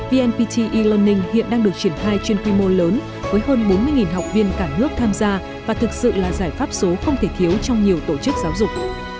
vnpt e learning hiện đang được triển khai trên quy mô lớn với hơn bốn mươi học viên cả nước tham gia và thực sự là giải pháp số không thể thiếu trong nhiều tổ chức giáo dục